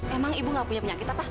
emang ibu gak punya penyakit apa